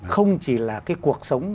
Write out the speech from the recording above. không chỉ là cuộc sống